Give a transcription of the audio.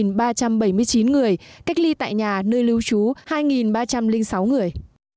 một mươi hai ba trăm bảy mươi chín người cách ly tại nhà nơi lưu trú hai ba trăm linh sáu người